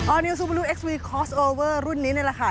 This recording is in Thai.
นิวซูบลูเอ็กซวีคอร์สโอเวอร์รุ่นนี้นี่แหละค่ะ